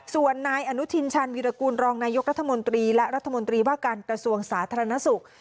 ส่วนนายอนุทินชาญวิรากูลรองนายกรัฐมนตรีและรัฐมนตรีว่าการกระทรวงสาธารณสุข